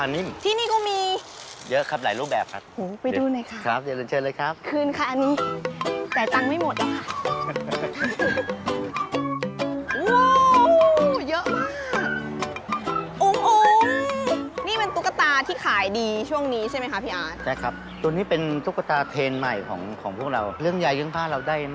นี่อะไรบ้างน่าจะเป็นตุ๊กตานิ่ม